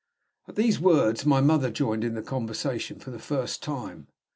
At those words my mother joined in the conversation for the first time.